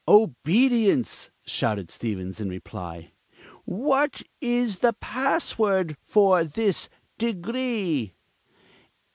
"Obedience!" shouted Stevens in reply. "What is the password of this Degree?"